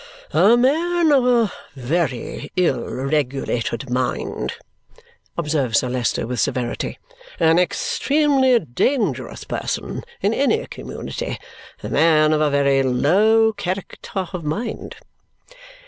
"A man of a very ill regulated mind," observes Sir Leicester with severity. "An extremely dangerous person in any community. A man of a very low character of mind."